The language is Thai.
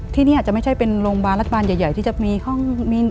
ที่นี่อาจจะไม่ใช่เป็นโรงพยาบาลรัฐบาลใหญ่ที่จะมีห้องมิน